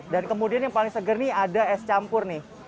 dan kemudian yang paling seger nih ada es campur nih